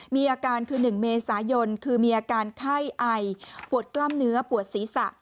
มีอาการคือ๑เมษายนคือมีอาการไข้ไอปวดกล้ามเนื้อปวดศีรษะ